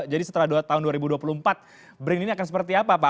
jadi setelah tahun dua ribu dua puluh empat brin ini akan seperti apa pak